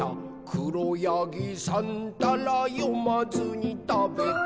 「しろやぎさんたらよまずにたべた」